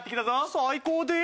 最高です！